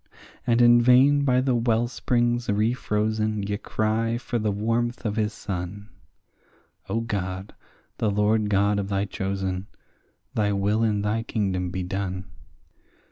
And in vain by the wellsprings refrozen ye cry for the warmth of his sun— O God, the Lord God of thy chosen, thy will in thy kingdom be done.